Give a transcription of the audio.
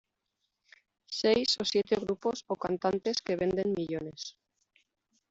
seis o siete grupos o cantantes que venden millones